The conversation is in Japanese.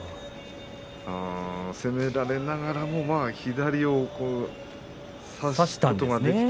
攻められながらも左を差しましたね。